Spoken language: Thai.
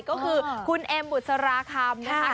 ก็คือคุณเอ็มบุษราคำนะคะ